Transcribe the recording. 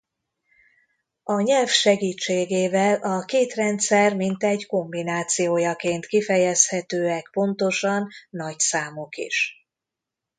A nyelv segítségével a két rendszer mintegy kombinációjaként kifejezhetőek pontosan nagy számok is.